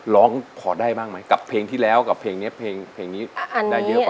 ร้องพอได้บ้างไหมกับเพลงที่แล้วกับเพลงนี้เพลงนี้ได้เยอะกว่า